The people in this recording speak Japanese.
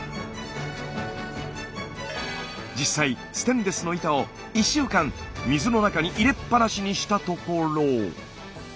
実際ステンレスの板を１週間水の中に入れっぱなしにしたところ。